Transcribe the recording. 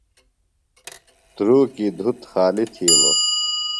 دھرُوکی دُھت خالیۡ تِھیلوۡ۔